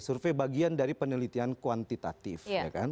survei bagian dari penelitian kuantitatif ya kan